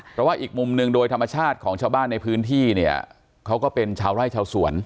เพราะว่าอีกมุมหนึ่งโดยธรรมชาติของชาวบ้านในพื้นที่เนี่ยเขาก็เป็นชาวไร่ชาวสวน